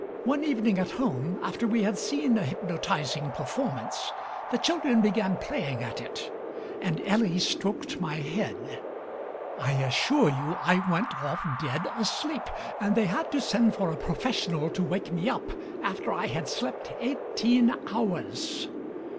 One evening at home, after we had seen a hypnotizing performance, the children began playing at it; and Ellie stroked my head. I assure you I went off dead asleep; and they had to send for a professional to wake me up after I had slept eighteen hours.